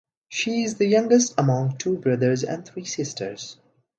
She is the youngest among two brothers and three sisters.